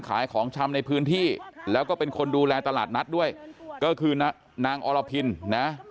ของชำในพื้นที่แล้วก็เป็นคนดูแลตลาดนัดด้วยก็คือนางอรพินนะ